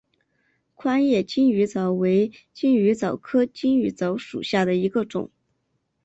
宽叶金鱼藻为金鱼藻科金鱼藻属下的一个种。